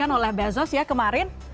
yang oleh bezos ya kemarin